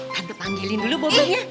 tante panggilin dulu bobi ya